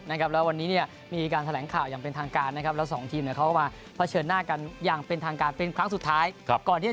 และวันนี้มีการแสดงข่าวอีกซักซักอย่างเป็นทางการนะครับ